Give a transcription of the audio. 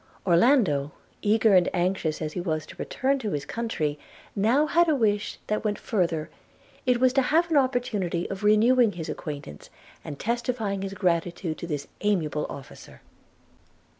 Orlando, eager and anxious as he was to return to his own country, now had a wish that went further; it was to have an opportunity of renewing his acquaintance, and testifying his gratitude to this amiable officer.